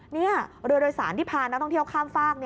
นี่เรือโดยสารที่พานักท่องเที่ยวข้ามฝาก